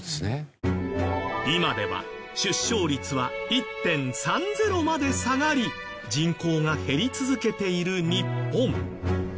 今では出生率は１．３０まで下がり人口が減り続けている日本。